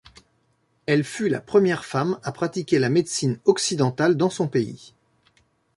Elle fut la première femme à pratiquer la médecine occidentale dans son pays.